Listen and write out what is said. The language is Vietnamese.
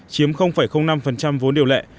chiếm năm vốn điều lệ